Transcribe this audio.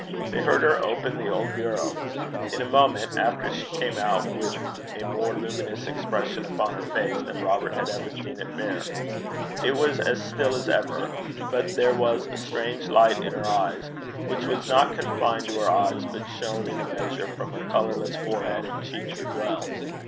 They heard her open the old bureau. In a moment after she came out with a more luminous expression upon her face than Robert had ever seen it bear. It was as still as ever, but there was a strange light in her eyes, which was not confined to her eyes, but shone in a measure from her colourless forehead and cheeks as well.